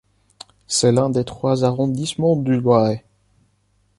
C'est l'un des trois arrondissements du Loiret.